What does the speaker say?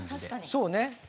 そうね。